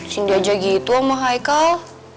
sindi aja gitu sama haikal